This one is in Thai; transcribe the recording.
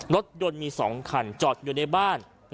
รถยนต์มี๒คันจอดอยู่ในบ้าน